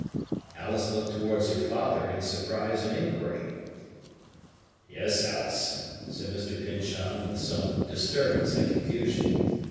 Alice looked towards her father, in surprise and inquiry. "Yes, Alice," said Mr. Pyncheon, with some disturbance and confusion.